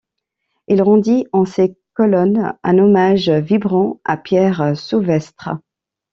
Il rendit en ces colonnes un hommage vibrant à Pierre Souvestre.